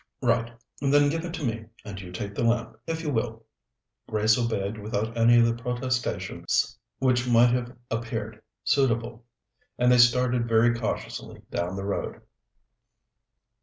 "Right. Then give it to me, and you take the lamp, if you will." Grace obeyed without any of the protestations which might have appeared suitable, and they started very cautiously down the road.